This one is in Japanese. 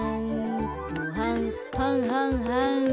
はんはんはんはん。